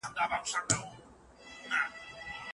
د وروسته پاته والي علتونه تر اوسه په بشپړه توګه نه دي ورک سوي.